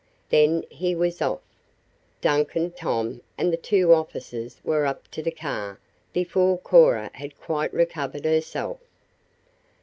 Then he was off. Duncan, Tom and the two officers were up to the car before Cora had quite recovered herself.